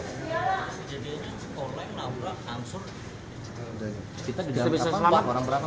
sejadinya korbank menabrak langsung